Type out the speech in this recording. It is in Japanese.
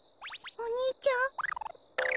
お兄ちゃ！